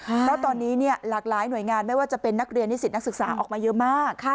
เพราะตอนนี้หลากหลายหน่วยงานไม่ว่าจะเป็นนักเรียนนิสิตนักศึกษาออกมาเยอะมาก